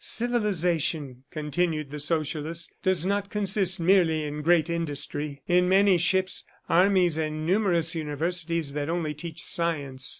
"Civilization," continued the Socialist, "does not consist merely in great industry, in many ships, armies and numerous universities that only teach science.